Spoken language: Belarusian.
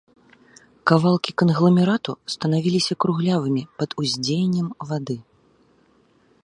Кавалкі кангламерату станавіліся круглявымі пад уздзеяннем вады.